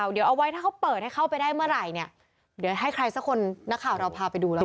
เดี๋ยวเอาไว้ถ้าเขาเปิดให้เข้าไปได้เมื่อไหร่เนี่ยเดี๋ยวให้ใครสักคนนักข่าวเราพาไปดูแล้วกัน